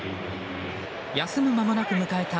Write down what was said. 休む間もなく迎えた